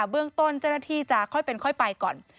เบื้องต้นเจ้าหน้าที่จะค่อยเป็นค่อยไปก่อน